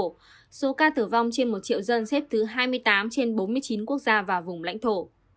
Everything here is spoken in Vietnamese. tổng số ca tử vong việt nam xếp thứ một mươi trên bốn mươi chín quốc gia và vùng lãnh thổ